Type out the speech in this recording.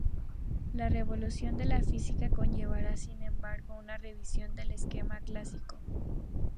La revolución de la física conllevará sin embargo una revisión del esquema clásico.